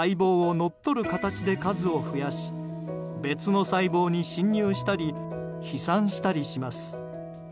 乗っ取る形で数を増やし別の細胞に侵入したり飛散したりします。